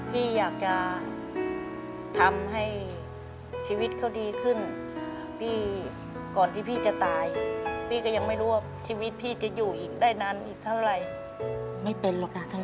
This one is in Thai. พี่อยากจะทำให้ชีวิตเขาดีขึ้น